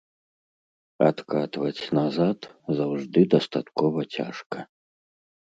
Адкатваць назад заўжды дастаткова цяжка.